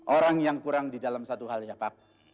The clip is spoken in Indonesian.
orang yang kurang di dalam satu hal ya pak